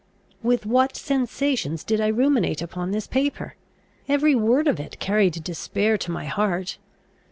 With what sensations did I ruminate upon this paper? Every word of it carried despair to my heart.